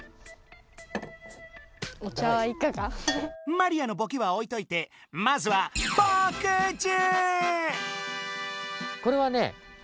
マリアのボケはおいといてまずはぼくじゅう！